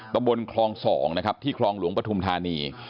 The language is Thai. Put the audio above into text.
ตะบนคลอง๒นะครับที่คลองหลวงปฐุมธานี